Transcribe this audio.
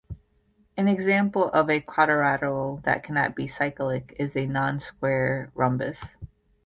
An example of a quadrilateral that cannot be cyclic is a non-square rhombus.